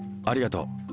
ありがとう。